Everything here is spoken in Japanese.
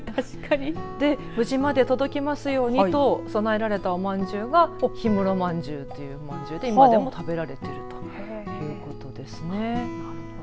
無事、届きますようにと供えられたおまんじゅうが氷室まんじゅうというおまんじゅうで今でも食べられているということです。